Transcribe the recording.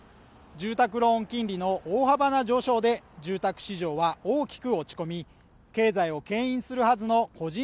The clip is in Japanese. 住宅ローン金利の大幅な上昇で住宅市場は大きく落ち込み経済を牽引するはずの個人